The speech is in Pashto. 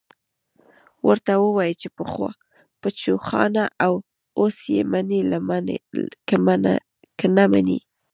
ورته ووايه چې بچوخانه اوس يې منې که نه منې.